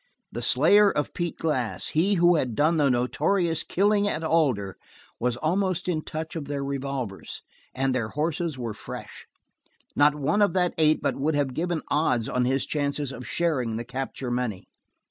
The slayer of Pete Glass, he who had done the notorious Killing at Alder, was almost in touch of their revolvers and their horses were fresh. Not one of that eight but would have given odds on his chances of sharing the capture money.